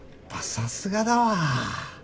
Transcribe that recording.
さすがだわ。